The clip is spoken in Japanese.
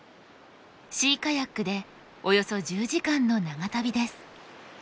シーカヤックでおよそ１０時間の長旅です。